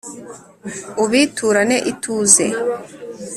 ubiturane ituze ?